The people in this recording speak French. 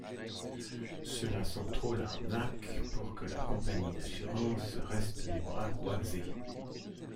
Cela sent trop l'arnaque pour que la compagnie d'assurances reste les bras croisés.